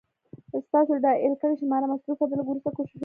ستاسو ډائل کړې شمېره مصروفه ده، لږ وروسته کوشش وکړئ